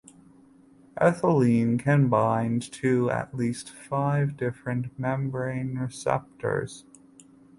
Ethylene can bind to at least five different membrane receptors.